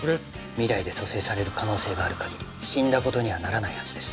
未来で蘇生される可能性がある限り死んだ事にはならないはずです。